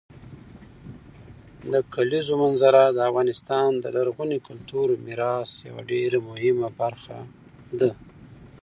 د کلیزو منظره د افغانستان د لرغوني کلتوري میراث یوه ډېره مهمه برخه ده.